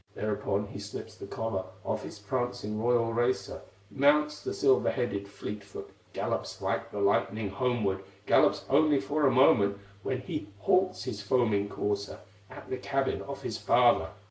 Thereupon he slips the collar Of his prancing royal racer, Mounts the silver headed fleet foot, Gallops like the lightning homeward; Gallops only for a moment, When he halts his foaming courser At the cabin of his father.